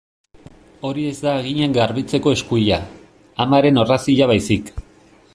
Hori ez da haginak garbitzeko eskuila, amaren orrazia baizik.